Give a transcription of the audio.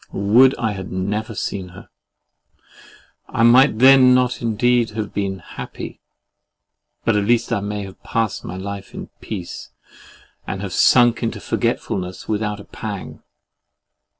Would I had never seen her! I might then not indeed have been happy, but at least I might have passed my life in peace, and have sunk into forgetfulness without a pang.